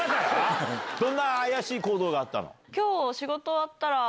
どんな怪しい行動があったの？